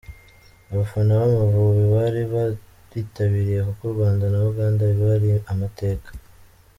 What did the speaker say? Abafana b’Amavubi bari bitabiriye kuko u Rwanda na Uganda biba ari amateka